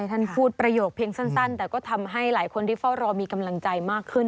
ท่านพูดประโยคเพียงสั้นแต่ก็ทำให้หลายคนที่เฝ้ารอมีกำลังใจมากขึ้น